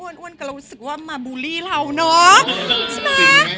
อ้นอ้นก็รู้สึกว่ามาบูรีเราเนาะ